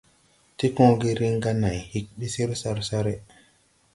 Tikooge riŋ ga nãy hig ɓi sar sare.